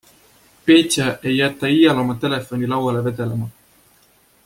Petja ei jäta iial oma telefoni lauale vedelema.